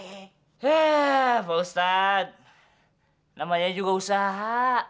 hea pak ustadz namanya juga usaha